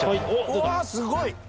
うわすごい！